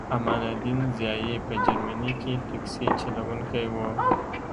امان الدین ضیایی په جرمني کې ټکسي چلوونکی و